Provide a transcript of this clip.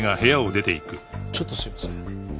ちょっとすいません。